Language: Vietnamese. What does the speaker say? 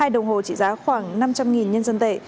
hai đồng hồ trị giá khoảng năm trăm linh nhân dân tệ